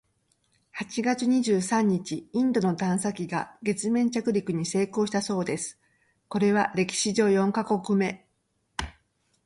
八月二十三日、インドの探査機が月面着陸に成功したそうです！（これは歴史上四カ国目！）